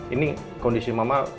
ini kondisi mama